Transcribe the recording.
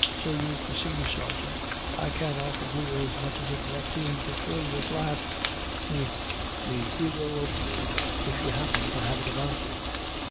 So you perceive, sergeant, I can't offer you as much as a dhropeen to fill your flask, me hayro o' war, if you happen to have it about you."